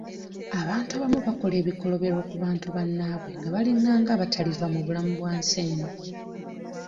Abantu abamu bakola ebikolobero ku bantu bannaabwe nga balinga abataliva mu bulamu bwa nsi eno.